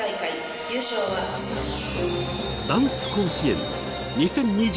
ダンス甲子園２０２２、夏。